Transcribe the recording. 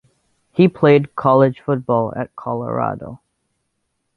He played college football at Colorado.